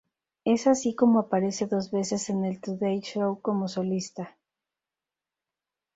Es así como aparece dos veces en el Today Show como solista.